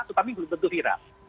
tetapi belum tentu viral